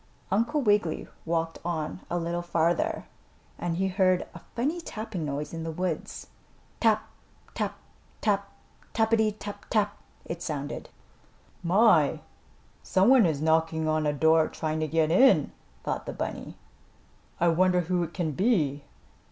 Uncle Wiggily walked on a little farther and he heard a funny tapping noise in the woods. "Tap! Tap! Tap! Tappity tap tap!" it sounded. "My! Some one is knocking on a door trying to get in," thought the bunny. "I wonder who it can be?"